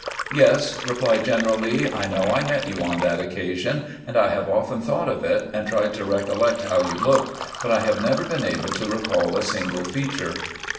" Yes," replied General Lee ;" I know I met you on that occasion, and I have often thought of it, and tried to recollect how you looked, but I have never been able to recall a single feature."